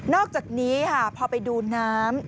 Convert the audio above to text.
อกจากนี้ค่ะพอไปดูน้ำ